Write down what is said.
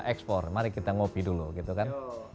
ekspor mari kita ngopi dulu gitu kan